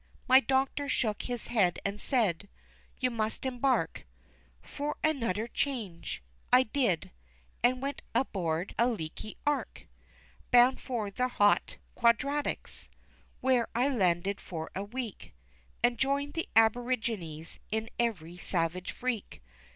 My doctor shook his head and said, "You must embark For an utter change." I did: and went aboard a leaky Arc Bound for the hot Quadratics, where I landed for a week, And joined the aborigines in every savage freak.